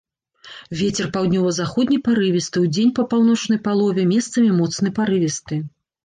Вецер паўднёва-заходні парывісты, удзень па паўночнай палове месцамі моцны парывісты.